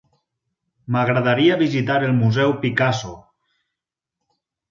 M'agradaria visitar el museu Picasso.